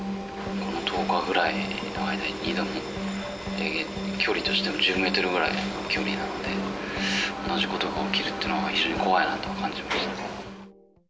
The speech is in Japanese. この１０日ぐらいの間に２度も、距離としても１０メートルぐらいの距離なので、同じことが起きるっていうのは、非常に怖いなと感じましたね。